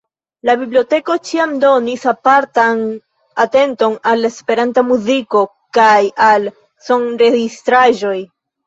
La biblioteko ĉiam donis apartan atenton al la esperanta muziko kaj al sonregistraĵoj.